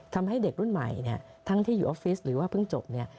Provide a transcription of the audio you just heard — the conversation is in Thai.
ทำให้เด็กรุ่นใหม่เนี่ยทั้งที่อยู่ออฟฟิศหรือว่าเพิ่งจบเนี่ย